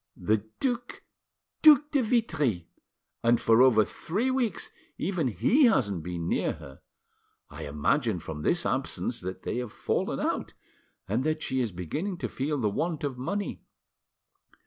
The Duc Duc de Vitry; and for over three weeks even he hasn't been near her. I imagine from this absence that they have fallen out, and that she is beginning to feel the want of money."